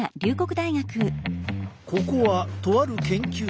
ここはとある研究室。